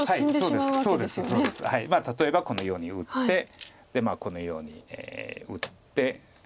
例えばこのように打ってこのように打って。